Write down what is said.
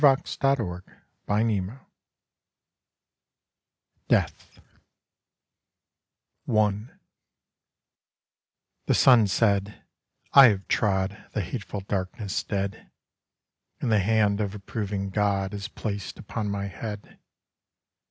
VI DEATH I The Sun said, 'I have trod The hateful Darkness dead, And the hand of approving God Is placed upon my head.